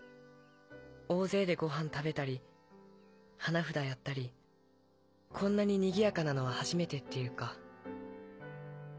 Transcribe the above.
大勢でごはん食べたり花札やったりこんなににぎやかなのは初めてっていうか。